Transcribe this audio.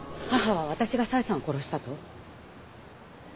母は私が佐江さんを殺したと？